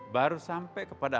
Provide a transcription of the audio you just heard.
baru sampai kepada